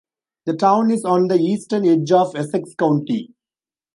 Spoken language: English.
The town is on the eastern edge of Essex County.